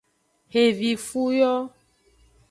Xevifu yo.